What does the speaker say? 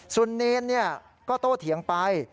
ส่วนเนรก็โตเถียงไป